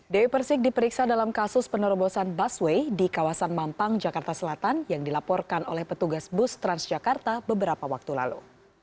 dewi persik diperiksa dalam kasus penerobosan busway di kawasan mampang jakarta selatan yang dilaporkan oleh petugas bus transjakarta beberapa waktu lalu